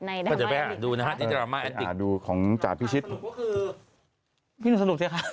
ในได้ธรรมไออัลติกพี่หนูสนุกสิคะ